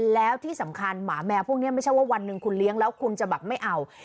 แล้วที่สำคัญหมาแมวพวกนี้ไม่ใช่ว่าวันหนึ่งคุณเลี้ยงแล้วคุณจะแบบไม่เอา